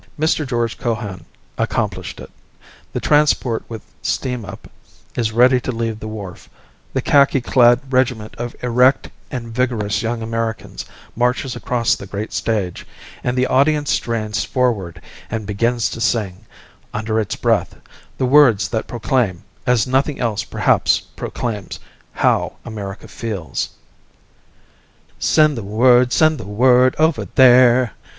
Mr. George Cohan accomplished it. The transport with steam up, is ready to leave the wharf, the khaki clad regiment of erect and vigorous young Americans marches across the great stage, and the audience strains forward and begins to sing, under its breath, the words that proclaim, as nothing else perhaps proclaims, how America feels. "Send the word, send the word over there...